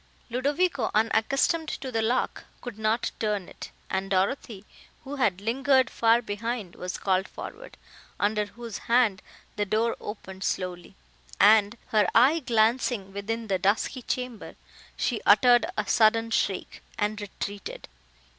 Ludovico, unaccustomed to the lock, could not turn it, and Dorothée, who had lingered far behind, was called forward, under whose hand the door opened slowly, and, her eye glancing within the dusky chamber, she uttered a sudden shriek, and retreated.